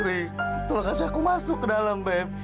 ri tolong kasih aku masuk ke dalam babe